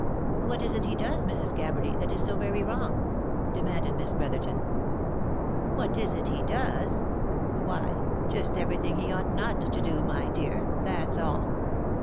"What is it he does, Mrs. Gabberly, that is so very wrong?" de manded Miss Brotherton. " What is it he does ? Why just every thing he ought not to do, my dear, that's all.